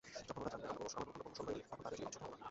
যখন ওরা জানবে আমরা প্রমোশন হয়নি, তখন তাদের চোখে কি ছোট হবো না?